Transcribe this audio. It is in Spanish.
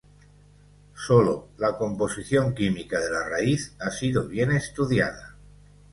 Sólo la composición química de la raíz ha sido bien estudiada.